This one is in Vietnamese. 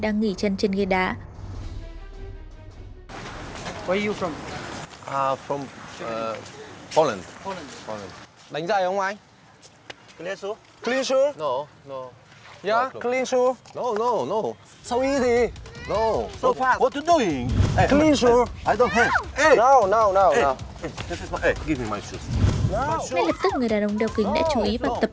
anh biết anh biết là nghề của bọn em